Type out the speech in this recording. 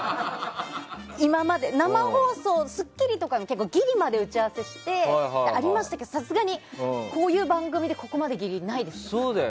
今まで生放送「スッキリ」とかもギリまで打ち合わせすることはありましたけどさすがに、こういう番組でここまでギリってないです。